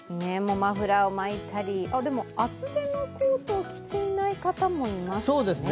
マフラーを巻いたり、でも厚手のコートを着ていない方もいますね。